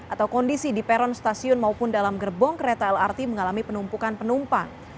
atau kondisi di peron stasiun maupun dalam gerbong kereta lrt mengalami penumpukan penumpang